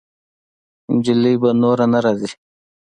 جلۍ به نوره نه راځي.